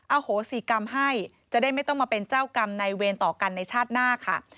โหสิกรรมให้จะได้ไม่ต้องมาเป็นเจ้ากรรมในเวรต่อกันในชาติหน้าค่ะ